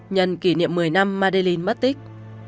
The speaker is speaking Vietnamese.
nhằn kỷ niệm một mươi năm madeleine mất tích